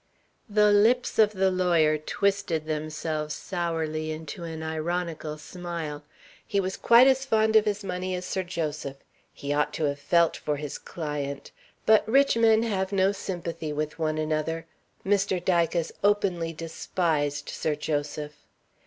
The lips of the lawyer twisted themselves sourly into an ironical smile. He was quite as fond of his money as Sir Joseph. He ought to have felt for his client; but rich men have no sympathy with one another. Mr. Dicas openly despised Sir Joseph.